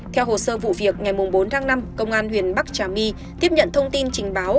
theo hồ sơ vụ việc ngày bốn tháng năm công an huyện bắc trà my tiếp nhận thông tin trình báo